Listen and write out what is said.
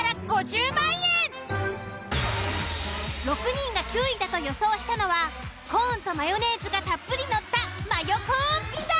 ６人が９位だと予想したのはコーンとマヨネーズがたっぷり載ったマヨコーンピザ。